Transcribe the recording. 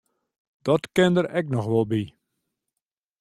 Dat kin der ek noch wol by.